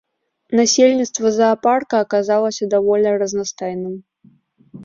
Насельніцтва заапарка аказалася даволі разнастайным.